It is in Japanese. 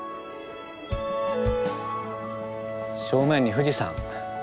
正面に富士山。